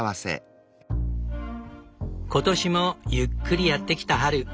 今年もゆっくりやって来た春。